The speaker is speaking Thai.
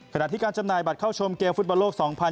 ขณะที่การจำหน่ายบัตรเข้าชมเกียร์ฟุตบาลโลก